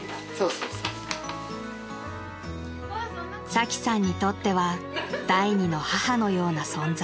［サキさんにとっては第二の母のような存在］